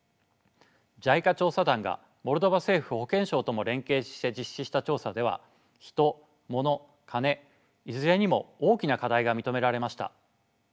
ＪＩＣＡ調査団がモルドバ政府保健省とも連携して実施した調査ではヒトモノカネいずれにも大きな課題が認められました。